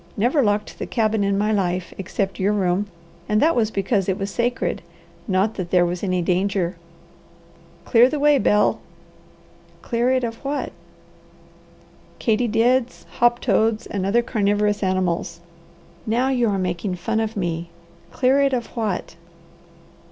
Never locked the cabin in my life, except your room, and that was because it was sacred, not that there was any danger. Clear the way, Bel!" "Clear it of what?" "Katydids, hoptoads, and other carnivorous animals." "Now you are making fun of me! Clear it of what?"